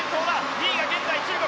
２位が現在、中国。